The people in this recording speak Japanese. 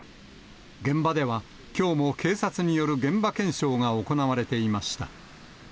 現場では、きょうも警察による現場検証が行われていました。